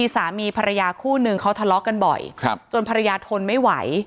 สามีภรรยาคู่นึงเขาทะเลาะกันบ่อยจนภรรยาทนไม่ไหว